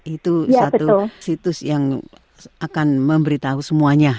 itu satu situs yang akan memberitahu semuanya